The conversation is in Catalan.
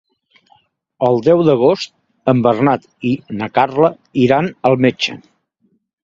El deu d'agost en Bernat i na Carla iran al metge.